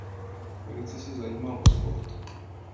Velice se zajímal o sport.